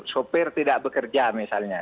sopir tidak bekerja misalnya